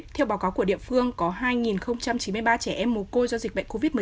theo báo cáo của địa phương có hai chín mươi ba trẻ em mồ côi do dịch bệnh covid một mươi chín